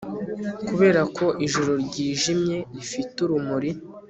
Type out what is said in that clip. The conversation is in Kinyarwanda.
Kuberako ijoro ryijimye rifite urumuri